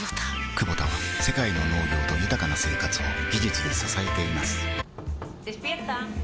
クボタは世界の農業と豊かな生活を技術で支えています起きて。